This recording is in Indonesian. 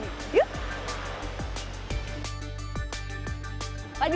pak dwi apa kabar